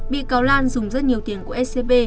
bị cáo lan dùng rất nhiều tiền của scb